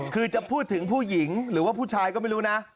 คือจะพูดถึงผู้หญิงหรือว่าผู้ชายก็ไม่รู้นะ